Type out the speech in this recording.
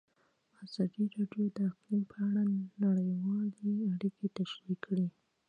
ازادي راډیو د اقلیم په اړه نړیوالې اړیکې تشریح کړي.